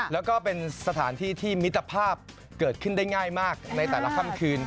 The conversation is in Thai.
แล้วก็เป็นสถานที่ที่มิตรภาพเกิดขึ้นได้ง่ายมากในแต่ละค่ำคืน